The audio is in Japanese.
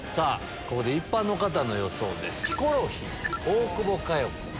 ここで一般の方の予想です。